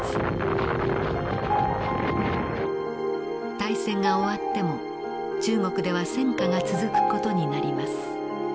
大戦が終わっても中国では戦火が続く事になります。